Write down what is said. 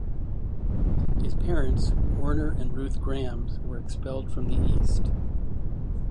His parents, Werner and Ruth Grams, were expelled from the east.